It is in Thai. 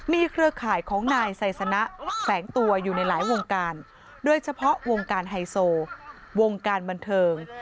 เครือข่ายของนายไซสนะแฝงตัวอยู่ในหลายวงการโดยเฉพาะวงการไฮโซวงการบันเทิง